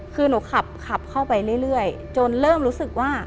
คือหนูขับเข้าไปเรื่อยจนเริ่มรู้สึกว่า